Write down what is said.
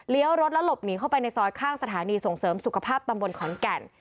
แล้วรถแล้วหลบหนีเข้าไปในซอยข้างสถานีส่งเสริมสุขภาพตำบลขอนแก่น